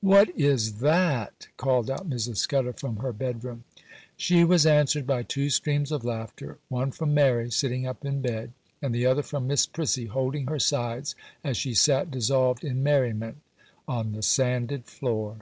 'What is that?' called out Mrs. Scudder from her bedroom. She was answered by two streams of laughter; one from Mary, sitting up in bed, and the other from Miss Prissy, holding her sides, as she sat dissolved in merriment on the sanded floo